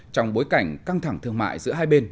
trong bối cảnh căng thẳng thương mại giữa hai bên